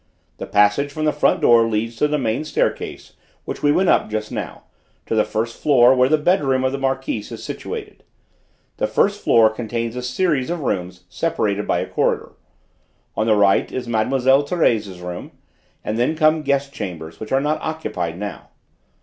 The passage from the front door leads to the main staircase, which we went up just now, to the first floor where the bedroom of the Marquise is situated. The first floor contains a series of rooms separated by a corridor. On the right is Mlle. Thérèse's room, and then come guest chambers which are not occupied now.